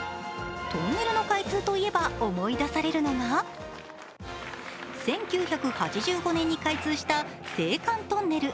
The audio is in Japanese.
トンネルの開通といえば思い出されるのが１９８５年に開通した青函トンネル。